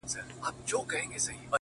پښتنو انجونو کي حوري پيدا کيږي ـ